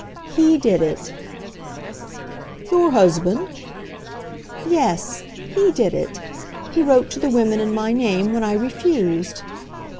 "He did it." "Your husband?" "Yes; he did it. He wrote to the women in my name when I refused."